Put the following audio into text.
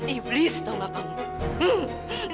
iblis tau nggak kamu